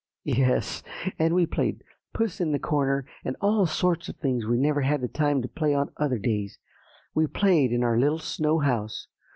"Yes; and we played Puss in the Corner, and all sorts of things we never had the time to play on other days; we played in our little snow house.